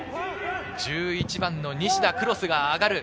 １１番の西田、クロスが上がる。